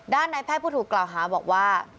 ในแพทย์ผู้ถูกกล่าวหาบอกว่า